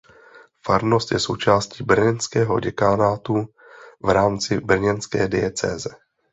Farnost je součástí brněnského děkanátu v rámci brněnské diecéze.